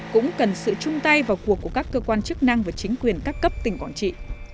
cũng cần sự chung tay vào cuộc của các cơ quan chức năng và chính quyền các cấp tỉnh quảng trị